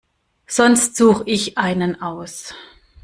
Sonst suche ich einen aus.